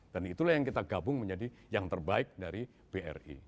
dan itulah yang kita gabung menjadi yang terbaik dari bri